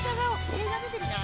映画出てみない？